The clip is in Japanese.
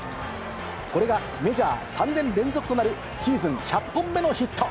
これがメジャー３年連続となるシーズン１００本目のヒット。